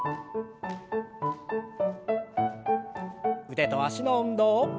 腕と脚の運動。